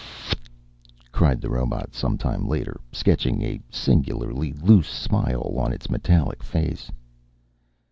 "F ff ff f(t)!" cried the robot, some time later, sketching a singularly loose smile on its metallic face.